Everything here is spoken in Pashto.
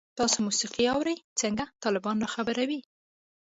تاسو موسیقی اورئ؟ څنګه، طالبان را خبروئ